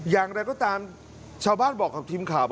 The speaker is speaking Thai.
อย่างไรก็ตามชาวบ้านบอกกับทีมข่าว